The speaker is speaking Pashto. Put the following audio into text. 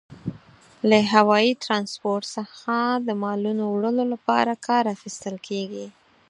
له هوايي ترانسپورت څخه د مالونو وړلو لپاره کار اخیستل کیږي.